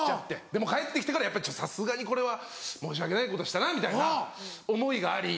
でも帰って来てからやっぱさすがにこれは申し訳ないことしたなみたいな思いがあり。